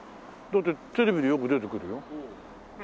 だってテレビでよく出てくるよ。